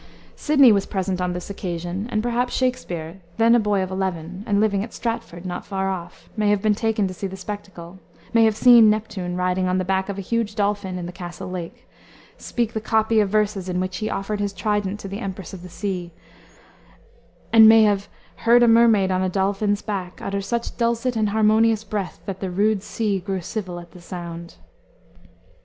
Sidney was present on this occasion, and, perhaps, Shakspere, then a boy of eleven, and living at Stratford, not far off, may have been taken to see the spectacle, may have seen Neptune, riding on the back of a huge dolphin in the castle lake, speak the copy of verses in which he offered his trident to the empress of the sea, and may have "heard a mermaid on a dolphin's back, Utter such dulcet and harmonious breath, That the rude sea grew civil at the sound."